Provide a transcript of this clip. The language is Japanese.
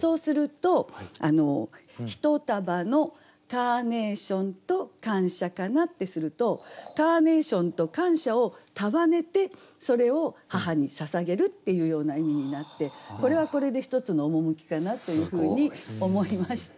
そうすると「一束のカーネーションと感謝かな」ってするとカーネーションと感謝を束ねてそれを母にささげるっていうような意味になってこれはこれで一つの趣かなというふうに思いました。